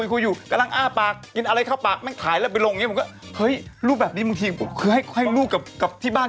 คือตามมารยาทถ้ารูปไม่ดีก็ไม่ควรลง